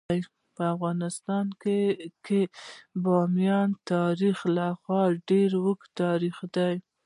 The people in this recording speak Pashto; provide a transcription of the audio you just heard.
په افغانستان کې د بامیان تاریخ خورا ډیر اوږد تاریخ دی.